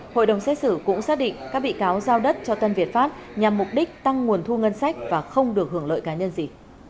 hội đồng xét xử cũng xác định các bị cáo giao đất cho tân việt pháp nhằm mục đích tăng nguồn thu ngân sách và không được hưởng lợi cá nhân gì